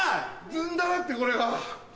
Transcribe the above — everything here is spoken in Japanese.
ずんだだってこれは。